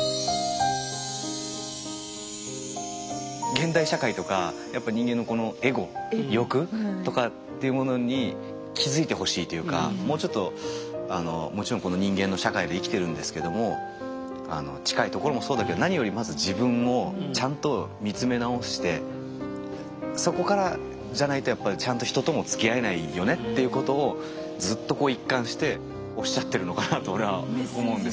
現代社会とかやっぱ人間のこのエゴ欲とかっていうものに気付いてほしいというかもうちょっとあのもちろんこの人間の社会で生きてるんですけども近いところもそうだけど何よりまず自分もちゃんと見つめ直してそこからじゃないとやっぱりちゃんと人ともつきあえないよねっていうことをずっとこう一貫しておっしゃってるのかなと俺は思うんです。